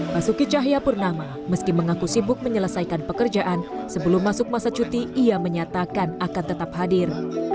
basuki cahayapurnama meski mengaku sibuk menyelesaikan pekerjaan sebelum masuk masa cuti ia menyatakan akan tetap hadir